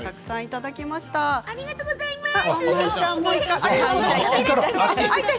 ありがとうございます。